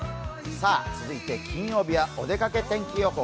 続いて、金曜日はおでかけ天気予報